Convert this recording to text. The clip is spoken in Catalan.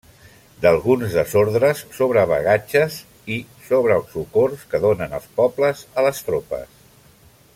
D'alguns desordres sobre Bagatges, i, sobre el socors que donen els pobles a les tropes.